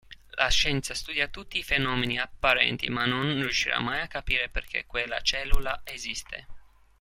La scienza studia tutti i fenomeni apparenti ma non riuscirà mai a capire perché quella cellula esiste.